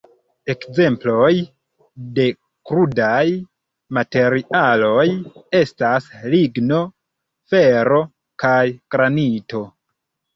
Ekzemploj de krudaj materialoj estas ligno, fero kaj granito.